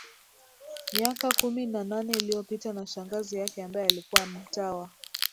miaka kumi na nane iliyopita na shangazi yake ambaye alikuwa mtawa